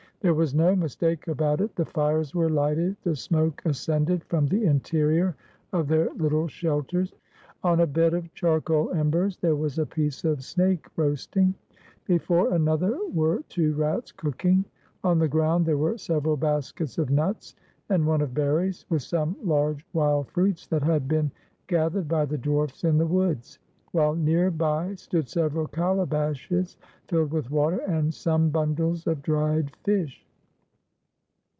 There was no mistake about it. The fires were lighted, the smoke ascended from the interior of their Httle shel ters; on a bed of charcoal embers there was a piece of snake roasting; before another were two rats cooking; on the ground there were several baskets of nuts, and one of berries, with some large wild fruits that had been gathered by the dwarfs in the woods; while near by stood several calabashes filled with water, and some bundles of dried fish.